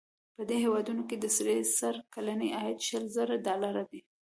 په دې هېوادونو کې د سړي سر کلنی عاید شل زره ډالره دی.